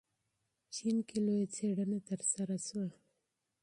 چین کې لویه څېړنه ترسره شوه.